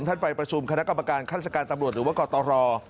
ไปประชุมคณะกรรมการฆาติการตำรวจหรือว่ากตร